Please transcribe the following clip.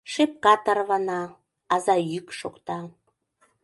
Шепка тарвана, аза йӱк шокта...